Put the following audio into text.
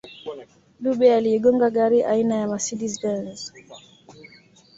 dube aliigonga gari aina ya mercedes benz